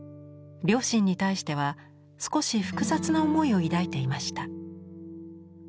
両親に対しては少し複雑な思いを抱いていました。